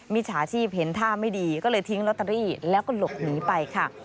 จฉาชีพเห็นท่าไม่ดีก็เลยทิ้งลอตเตอรี่แล้วก็หลบหนีไปค่ะ